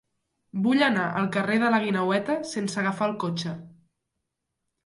Vull anar al carrer de la Guineueta sense agafar el cotxe.